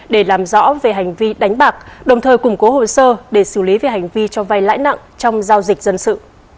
để làm rõ về hành vi đánh bạc đồng thời củng cố hồ sơ để xử lý về hành vi cho vay lãi nặng trong giao dịch dân sự